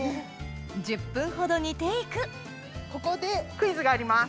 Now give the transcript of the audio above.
１０分ほど煮て行くここでクイズがあります。